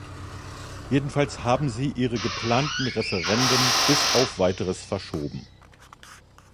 Jedenfalls haben sie ihre geplanten Referenden bis auf weiteres verschoben.